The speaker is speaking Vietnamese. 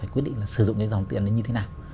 quyết định sử dụng cái dòng tiền này như thế nào